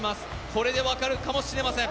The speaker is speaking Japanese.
これで分かるかもしれません。